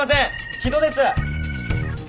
木戸です！